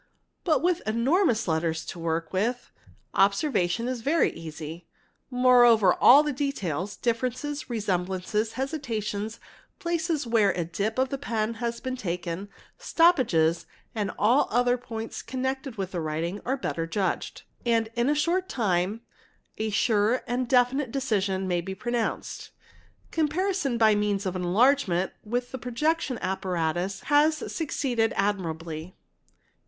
But with enormous letters to work with, observation is very easy; moreover all the details, differences, resemblances, hesitations, places where a dip of the pen has been taken, | stoppages, and all other points connected with a writing are better judged ;_ and in a short time a sure and definite decision may be pronounced. 'Comparison by means of enlargement with the projection apparatus has 'succeeded admirably.